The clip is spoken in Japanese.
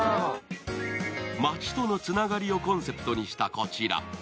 街とのつながりをコンセプトにしたこちら。